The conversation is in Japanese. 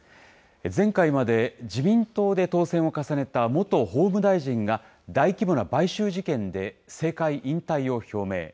前回まで自民党で当選を重ねた元法務大臣が、大規模な買収事件で政界引退を表明。